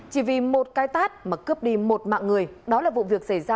chỉ vì một cái tát mà cướp đi một mạng người đó là vụ việc xảy ra